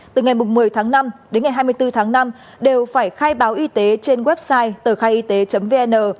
từ ngày một mươi tháng năm đến ngày hai mươi bốn tháng năm đều phải khai báo y tế trên website tờkhaiyt vn